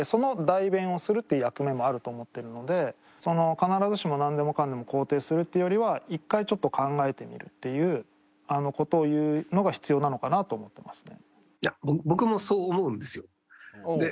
必ずしもなんでもかんでも肯定するっていうよりは１回ちょっと考えてみるっていう事を言うのが必要なのかなと思ってますね。